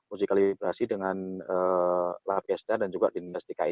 uji kalibrasi dengan lab kesda dan juga di domestikainya